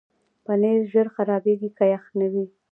پنېر ژر خرابېږي که یخ نه وي.